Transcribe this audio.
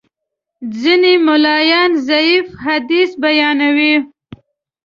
ځینې ملایان ضعیف حدیث بیانوي.